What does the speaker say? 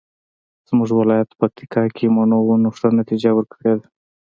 زمونږ ولایت پکتیکا کې مڼو ونو ښه نتیجه ورکړې ده